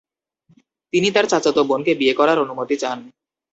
তিনি তার চাচাত বোনকে বিয়ে করার অনুমতি চান।